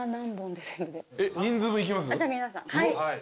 じゃあ皆さんはい。